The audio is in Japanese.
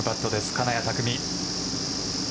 金谷拓実。